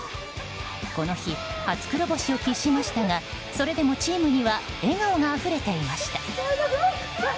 この日、初黒星を喫しましたがそれでもチームには笑顔があふれていました。